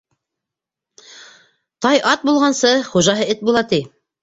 Тай ат булғансы, хужаһы эт була, ти.